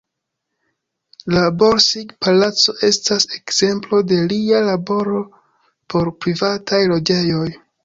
La Borsig-palaco estas ekzemplo de lia laboro por privataj loĝejoj.